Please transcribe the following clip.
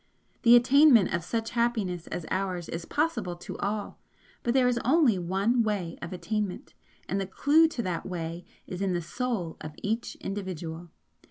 The attainment of such happiness as ours is possible to all, but there is only One Way of Attainment, and the clue to that Way is in the Soul of each individual human being.